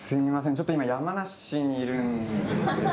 ちょっと今山梨にいるんですけど。